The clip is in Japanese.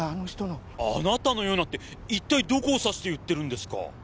あなたのようなって一体どこを指して言ってるんですか？